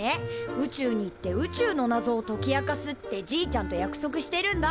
宇宙に行って宇宙のなぞを解き明かすってじいちゃんと約束してるんだ！